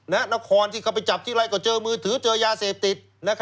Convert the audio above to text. นครที่เขาไปจับทีไรก็เจอมือถือเจอยาเสพติด